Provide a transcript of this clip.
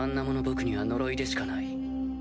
僕には呪いでしかない。